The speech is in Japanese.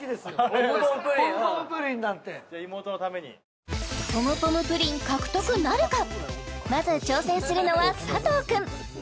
ポムポムプリンポムポムプリンなんてポムポムプリン獲得なるかまず挑戦するのは佐藤君